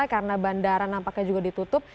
karena bandara nampaknya juga ditutup